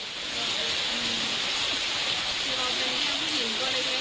ตัวตาหมาเก๊กมาเจ็ดวันแล้วหนูเหนื่อยหนูเหนื่อยมาก